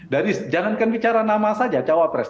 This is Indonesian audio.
jadi jangankan bicara nama saja cawa pres